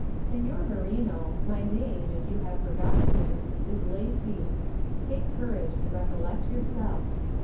Lacy. Seiior Merino, my name, if you have forgotten it, is Lacy : take courage and recollect yourself.